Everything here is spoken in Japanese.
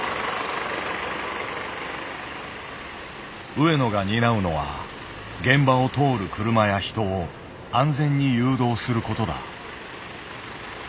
上野が担うのは現場を通る車や人を安全に誘導することだ。